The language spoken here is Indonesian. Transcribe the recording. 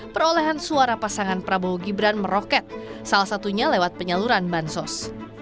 perolehan suara pasangan prabowo gibran meroket salah satunya lewat penyaluran bansos